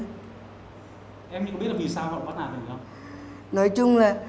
em có biết là vì sao gọi bắt nạt mình không